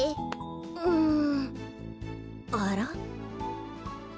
うんあら？